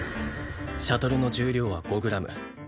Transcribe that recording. シャトルの重量は５グラム。